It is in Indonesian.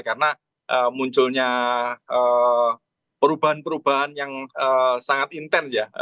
karena munculnya perubahan perubahan yang sangat intens ya